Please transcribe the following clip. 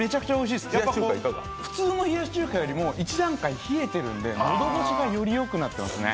普通の冷やし中華よりも一段階冷えているんで喉越しがよりよくなってますね。